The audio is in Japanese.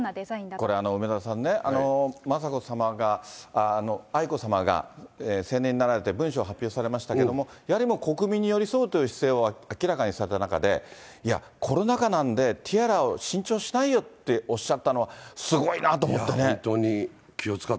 これ梅沢さんね、雅子さまが、愛子さまが成年になられて、文書を発表されましたけれども、やはりもう国民に寄り添うという姿勢を明らかにされた中で、コロナ禍なんで、ティアラを新調しないでっておっしゃったのは、すご本当に、気を遣っ